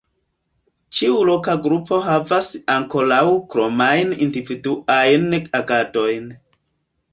Ĉiu loka grupo havas ankoraŭ kromajn individuajn agadojn.